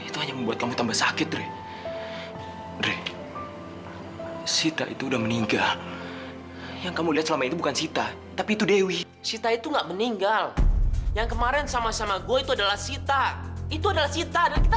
sampai jumpa di video selanjutnya